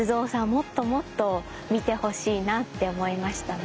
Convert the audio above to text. もっともっと見てほしいなって思いましたね。